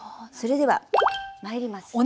それではまいります。